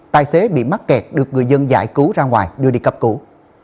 tài xế bị mắc kẹt được người dân giải cứu ra ngoài đưa đi cấp cứu